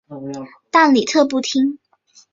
但李特不听。